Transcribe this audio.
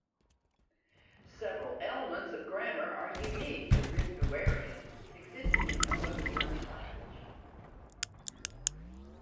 Several elements of grammar are unique to Ripuarian, existing in no other German language.